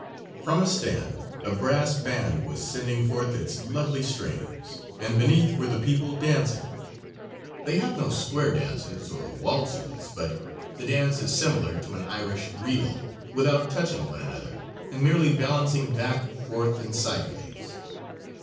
From a stand a brass band was sending forth its lovely strains, and beneath were the people dancing. They have no square dances or waltzes, but the dance is similar to an Irish reel without touching one another, and merely balancing back, forth and sideways.